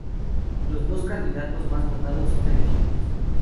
Los dos candidatos más votados son elegidos.